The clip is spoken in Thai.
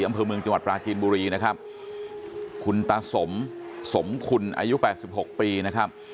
อำเภอเมืองจังหวัดปลาจีนบุรีนะครับคุณตาสมสมคุณอายุแปดสิบหกปีนะครับ